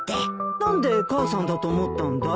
何で母さんだと思ったんだい？